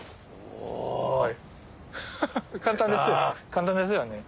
簡単ですよね。